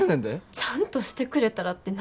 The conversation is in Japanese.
ちゃんとしてくれたらって何？